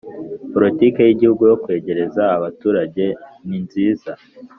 Politiki y Igihugu yo Kwegereza Abaturage ninziza